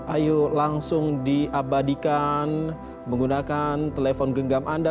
ayo langsung diabadikan menggunakan telepon genggam anda